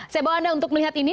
saya bawa anda untuk melihat ini